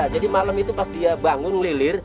jadi malam itu pas dia bangun melirir